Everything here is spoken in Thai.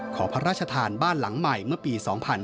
ขอพระราชทานบ้านหลังใหม่เมื่อปี๒๕๕๙